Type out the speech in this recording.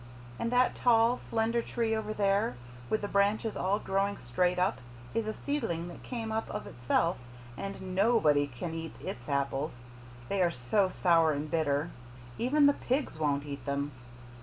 And that tall, slender tree over there, with the branches all growing straight up, is a seedling that came up of itself, and NOBODY can eat its apples, they are so sour and bitter. Even the pigs won't eat them.